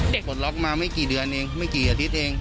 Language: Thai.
ปลดล็อกมาไม่กี่เดือนเองไม่กี่อาทิตย์เอง